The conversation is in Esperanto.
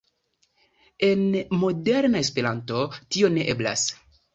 En moderna Esperanto tio ne eblas.